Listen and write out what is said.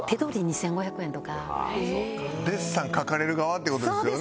デッサン描かれる側って事ですよね。